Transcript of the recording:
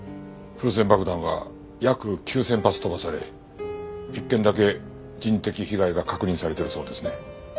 風船爆弾は約９０００発飛ばされ１件だけ人的被害が確認されているそうですね。